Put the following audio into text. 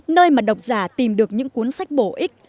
nơi mà độc giả tìm được những cuốn sách bổ ích